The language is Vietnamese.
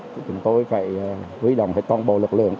thì chúng tôi phải huy động hết toàn bộ lực lượng